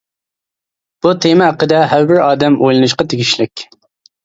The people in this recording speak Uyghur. بۇ تېما ھەققىدە ھەر بىر ئادەم ئويلىنىشقا تېگىشلىك.